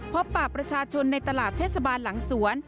พบปากประชาชนในตลาดเทศบาลหลังสวน